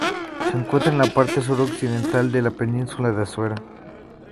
Se encuentra en la parte sur occidental de la península de Azuero.